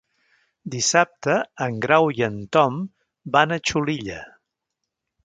Dissabte en Grau i en Tom van a Xulilla.